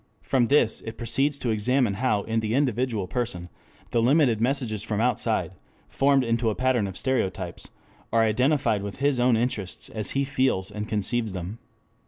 From this it proceeds to examine how in the individual person the limited messages from outside, formed into a pattern of stereotypes, are identified with his own interests as he feels and conceives them.